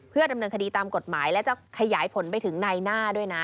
ดำเนินคดีตามกฎหมายและจะขยายผลไปถึงในหน้าด้วยนะ